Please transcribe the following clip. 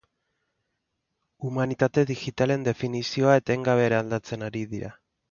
Humanitate digitalen definizioa etengabe eraldatzen ari dira.